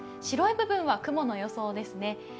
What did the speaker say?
白い部分は雲の予想ですね。